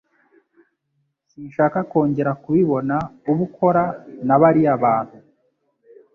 Sinshaka kongera kubibona ubukora nabariya bantu.